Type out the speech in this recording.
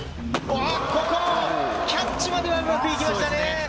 ここはキャッチまでは、うまくいきましたね。